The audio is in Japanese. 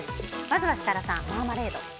まずは設楽さん、マーマレード。